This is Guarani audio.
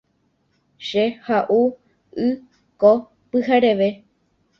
Che ha’u y ko pyhareve.